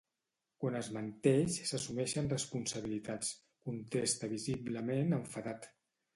Quan es menteix s’assumeixen responsabilitats, contesta visiblement enfadat.